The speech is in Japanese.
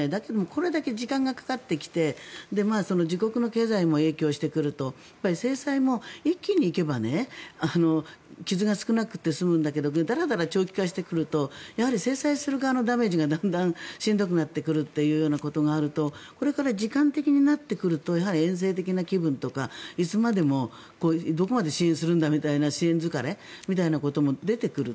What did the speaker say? これだけ時間がかかってきて自国の経済にも影響してくると制裁も一気に行けば傷が少なくて済むんだけどだらだら長期化してくると制裁する側のダメージがだんだんしんどくなってくるというようなことがあるとこれから時間的になってくるとやはりえん世的な気分とかいつまでもどこまで支援するみたいな支援疲れみたいなことが出てくる。